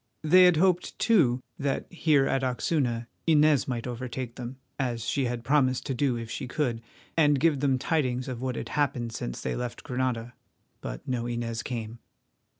They had hoped, too, that here at Oxuna Inez might overtake them, as she had promised to do if she could, and give them tidings of what had happened since they left Granada. But no Inez came.